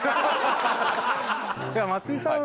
松井さん